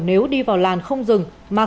nếu đi vào làn không dừng mà